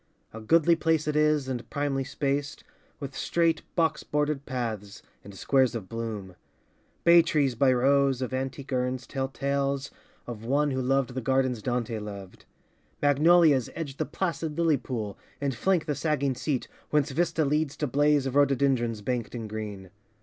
A goodly place it is and primly spaced, With straight box bordered paths and squares of bloom. Bay trees by rows of antique urns tell tales Of one who loved the gardens Dante loved. Magnolias edge the placid lily pool And flank the sagging seat, whence vista leads To blaze of rhododendrons banked in green.